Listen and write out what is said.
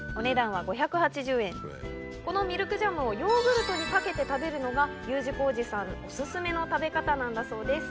このミルクジャムをヨーグルトにかけて食べるのがＵ字工事さんオススメの食べ方なんだそうです。